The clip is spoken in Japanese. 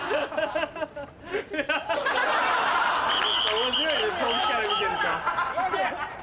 面白いね遠くから見てると。